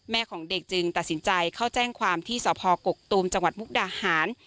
ของเด็กจึงตัดสินใจเข้าแจ้งความที่สพกกตูมจังหวัดมุกดาหาร